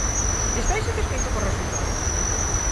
Está insatisfeito co resultado?